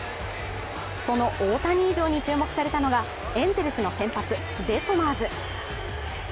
その大谷以上に注目されたのがエンゼルスの先発・デトマーズ。